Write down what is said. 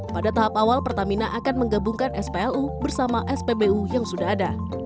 pada tahap awal pertamina akan menggabungkan splu bersama spbu yang sudah ada